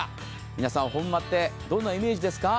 皆さん、本間ってどんなイメージですか。